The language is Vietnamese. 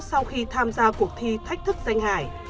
sau khi tham gia cuộc thi thách thức danh hải